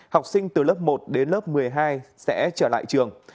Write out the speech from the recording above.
học sinh từ lớp một đến lớp một mươi hai sẽ trở lại trường